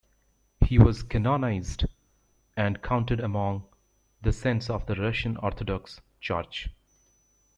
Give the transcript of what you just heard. He was canonized and counted among the saints of the Russian Orthodox Church.